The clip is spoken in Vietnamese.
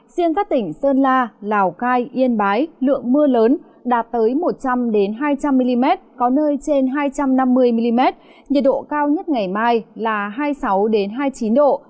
riêng các tỉnh sơn la lào cai yên bái lượng mưa lớn đạt tới một trăm linh hai trăm linh mm có nơi trên hai trăm năm mươi mm nhiệt độ cao nhất ngày mai là hai mươi sáu hai mươi chín độ